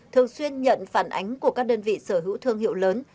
thường xuyên nhận phản ánh của các đơn vị sở hữu thương hiệu lớn